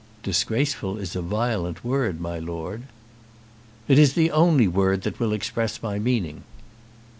"Disgraceful is a violent word, my Lord." "It is the only word that will express my meaning."